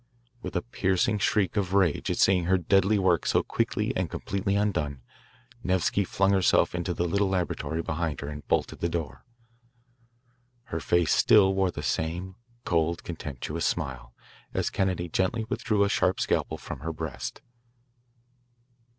With a piercing shriek of rage at seeing her deadly work so quickly and completely undone, Nevsky flung herself into the little laboratory behind her and bolted the door. Her face still wore the same cold, contemptuous smile, as Kennedy gently withdrew a sharp scalpel from her breast.